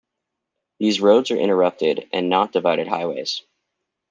These roads are interrupted and not divided highways.